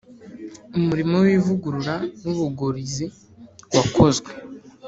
umurimo wivugurura nubugorizi wakozwe